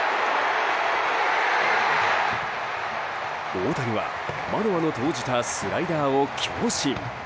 大谷はマノアの投じたスライダーを強振。